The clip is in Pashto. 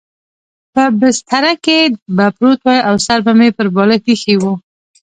په بستره کې به پروت وای او سر به مې پر بالښت اېښی و.